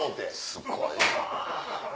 すごいわ。